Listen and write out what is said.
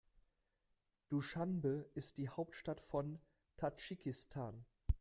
Duschanbe ist die Hauptstadt von Tadschikistan.